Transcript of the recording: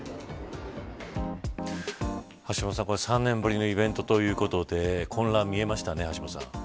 橋下さん、３年ぶりのイベントということで混乱、見えましたね。